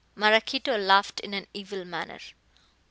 Maraquito laughed in an evil manner.